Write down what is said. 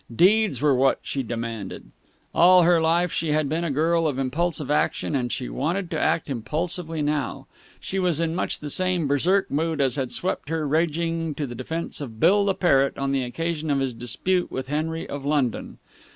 Deeds were what she demanded. All her life she had been a girl of impulsive action, and she wanted to act impulsively now. She was in much the same Berserk mood as had swept her, raging, to the defence of Bill the parrot on the occasion of his dispute with Henry of London.